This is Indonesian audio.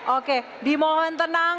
oke dimohon tenang